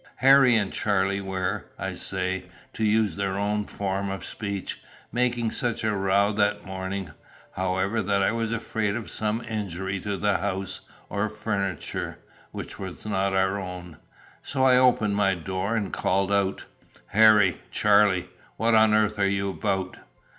Harry and Charlie were, I say, to use their own form of speech, making such a row that morning, however, that I was afraid of some injury to the house or furniture, which were not our own. So I opened my door and called out "Harry! Charlie! What on earth are you about?"